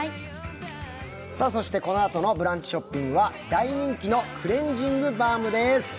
このあとの「ブランチショッピング」は大人気のクレンジングバームです。